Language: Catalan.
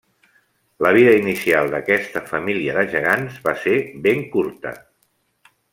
La vida inicial d'aquesta família de gegants va ser ben curta.